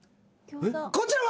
こちらは。